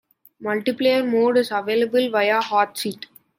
Multiplayer mode is available via Hotseat.